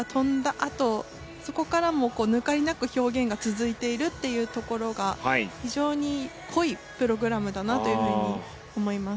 あとそこからも抜かりなく表現が続いているっていうところが非常に濃いプログラムだなという風に思います。